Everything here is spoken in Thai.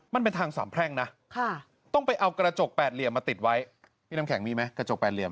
มันเป็นทางสามแพร่งนะต้องไปเอากระจกแปดเหลี่ยมมาติดไว้พี่น้ำแข็งมีไหมกระจกแปดเหลี่ย